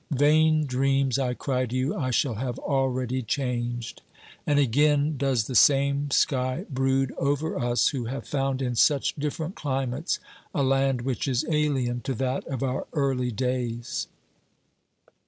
— Vain dreams, I cry to you, I shall have already changed. And again does the same sky brood over us who have found in such different climates a land which is alien to that of our early days.